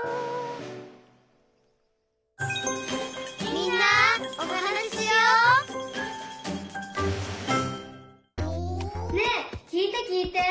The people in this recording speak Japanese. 「みんなおはなししよう」ねえきいてきいて。